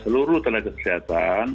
seluruh tenaga kesehatan